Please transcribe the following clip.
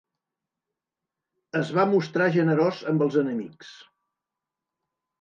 Es va mostrar generós amb els enemics.